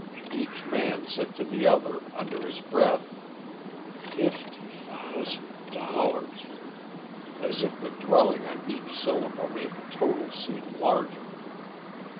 Each man said to the other under his breath: "Fif ty thous and dollars," as if the dwelling on each syllable made the total seem larger.